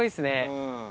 うん。